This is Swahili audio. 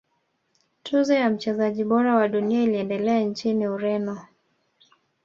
tuzo ya mchezaji bora wa dunia ilienda nchini ureno